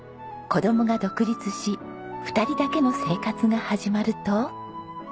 子供が独立し２人だけの生活が始まると。